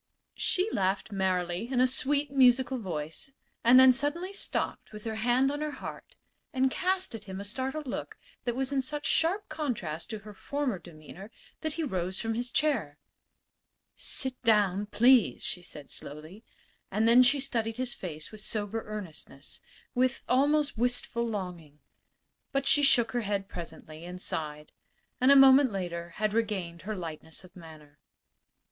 She laughed merrily in a sweet, musical voice, and then suddenly stopped with her hand on her heart and cast at him a startled look that was in such sharp contrast to her former demeanor that he rose from his chair. "Sit down, please," she said, slowly. And then she studied his face with sober earnestness with almost wistful longing. But she shook her head presently, and sighed; and a moment later had regained her lightness of manner.